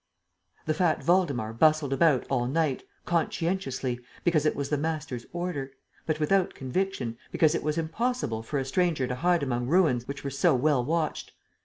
The fat Waldemar bustled about all night, conscientiously, because it was the master's order, but without conviction, because it was impossible for a stranger to hide among ruins which were so well watched.